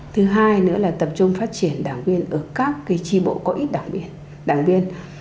thứ hai nữa là tập trung phát triển đảng viên ở các cái tri bộ có ít đảng viên